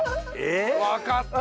わかった。